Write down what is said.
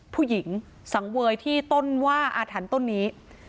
ผู้หญิงสังเวยที่ต้นว่าอาถรรพ์ต้นนี้